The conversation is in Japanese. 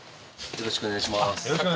よろしくお願いします